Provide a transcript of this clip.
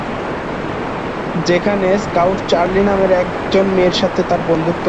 সেখানে Scout Charlie নামের একজন মেয়ের সাথে বন্ধুত্ব গড়ে।